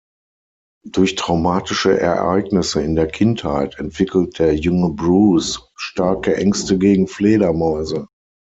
Durch traumatische Ereignisse in der Kindheit entwickelt der junge Bruce starke Ängste gegen Fledermäuse.